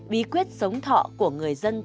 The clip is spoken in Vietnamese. bí quyết sống thọ của người dân từ đài